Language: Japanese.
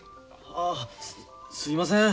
ああすいません